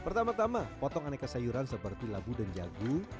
pertama tama potong aneka sayuran seperti labu dan jagung